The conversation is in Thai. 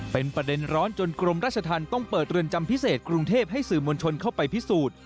เป็นประเด็นร้อนจนกรมราชธรรมต้องเปิดเรือนจำพิเศษกรุงเทพให้สื่อมวลชนเข้าไปพิสูจน์